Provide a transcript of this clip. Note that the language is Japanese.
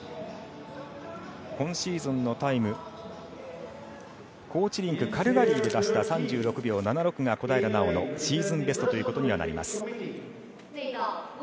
今シーズンのタイム、高地リンク・カルガリーで出した３６秒７６が小平奈緒のシーズンベストということになります。